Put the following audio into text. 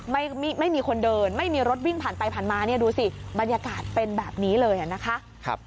ไม่มีคนเดินไม่มีรถวิ่งผ่านไปผ่านมาเนี่ยดูสิบรรยากาศเป็นแบบนี้เลยนะคะ